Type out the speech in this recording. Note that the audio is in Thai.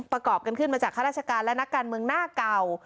ประกอบกันขึ้นมาจากข้าราชการและนักการเมืองหน้าเก่า